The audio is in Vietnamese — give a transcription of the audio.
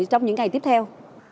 trong những ngày tiếp theo